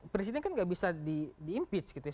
presiden kan gak bisa di impeach gitu ya